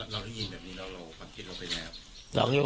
เราได้ยินแบบนี้แล้วเราความคิดเราไปแล้ว